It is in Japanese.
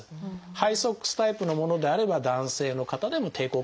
ハイソックスタイプのものであれば男性の方でも抵抗感